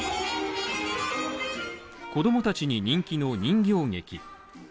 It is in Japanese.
子供たちに人気の人形劇